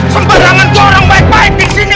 sembarangan gue orang baik baik disini